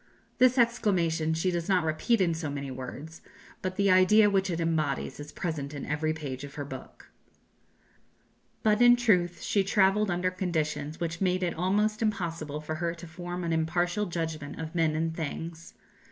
This exclamation she does not repeat in so many words, but the idea which it embodies is present in every page of her book. But, in truth, she travelled under conditions which made it almost impossible for her to form an impartial judgment of men and things.